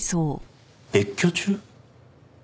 別居中？